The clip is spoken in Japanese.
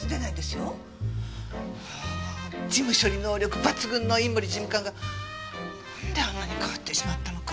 もう事務処理能力抜群の井森事務官がなんであんなに変わってしまったのか。